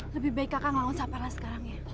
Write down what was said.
lebih baik kakak ngelawan siapa lah sekarang ya